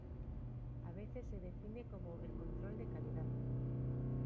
A veces se define como "el control de calidad".